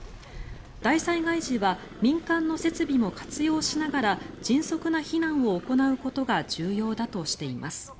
大災害時は民間の設備も活用しながら迅速な避難を行うことが重要だとしています。